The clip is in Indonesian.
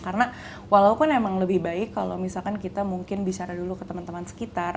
karena walaupun emang lebih baik kalau misalkan kita mungkin bicara dulu ke teman teman sekitar